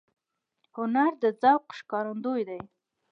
هنر د ذوق ښکارندوی دی